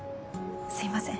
すいません。